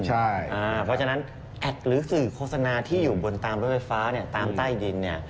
เพราะฉะนั้นแอดหรือสื่อโฆษณาที่อยู่บนตามรถไฟฟ้าตามใต้ดิน